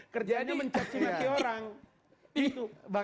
kerjanya mencaci mati orang